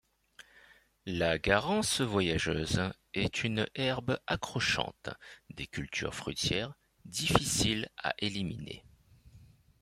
La garance voyageuse est une herbe accrochante des cultures fruitières, difficile à éliminer.